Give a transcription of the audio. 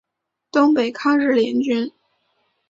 东北抗日联军。